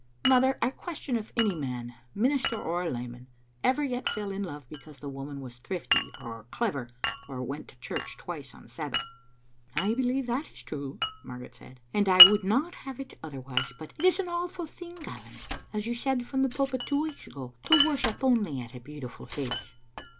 Mother, I ques tion if any man, minister or layman, ever yet fell in love because the woman was thrifty, or clever, or went to church twice on Sabbath. "" I believe that is true," Margaret said, " and I would not have it otherwise. But it is an awful thing, Gavin, as you said from the pulpit two weeks ago, to worship only at a beautiful face."